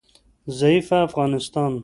ضعیفه افغانستان